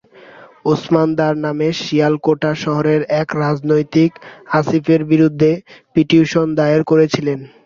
উসমান দার নামে শিয়ালকোট শহরের এক রাজনীতিক আসিফের বিরুদ্ধে পিটিশন দায়ের করেছিলেন।